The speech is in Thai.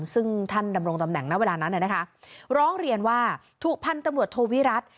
ซึ่งท่านดำรงตำแหน่งณเวลานั้นร้องเรียนว่าถูกพันธุ์ตำรวจโทวิรัติ